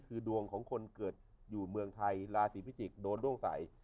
คือดวงของคนเกิดอยู่เมืองไทยราศีพิจิกษ์โดนด้วงใส